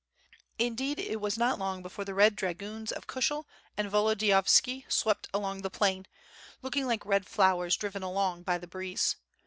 Indeed it was not long before the red dragoons of Kushel and Volodiyovski swept along the plain, looking like red flowers driven along by the breeze.